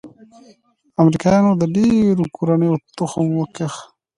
امریکايانو د ډېرو کورنيو تخم وکيښ.